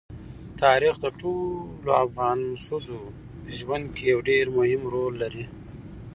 تاریخ د ټولو افغان ښځو په ژوند کې یو ډېر مهم رول لري.